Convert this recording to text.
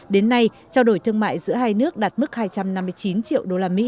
đến nay trao đổi thương mại giữa hai nước đạt mức hai trăm năm mươi chín triệu usd